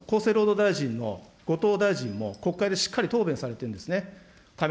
これ、当時の厚生労働大臣の後藤大臣も国会でしっかり答弁されてるんですね。